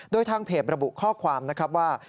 โดยทางเพจระบุข้อความนะครับว่า